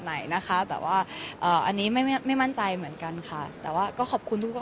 ไหนนะคะแต่ว่าเอ่ออันนี้ไม่ไม่มั่นใจเหมือนกันค่ะแต่ว่าก็ขอบคุณทุกคน